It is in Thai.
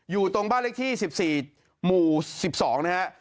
อยู่ตรงบ้านเลขที่๑๔หมู่๑๒นะฮะ